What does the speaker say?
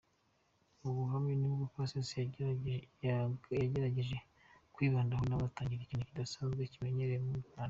Ubu buhanga ni bwo Pacis yagerageje kwibandaho nawe atangira ikintu kidasanzwe kimenyerewe mu Rwanda.